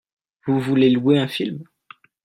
Vous voulez louer un film ?